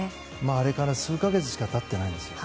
あれから数か月しか経ってないんですよ。